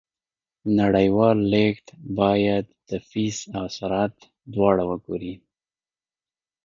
نړیوال لیږد باید د فیس او سرعت دواړه وګوري.